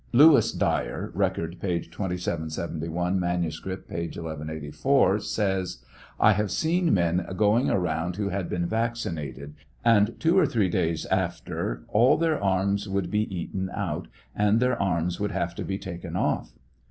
Lewis Dyer (Record, p. 2771 ; manuscript, p. 1184,) says : I have seen men going around who had been vaccinated, and two or three days after all their arms would be eaten out, and their arms would have to be taken off.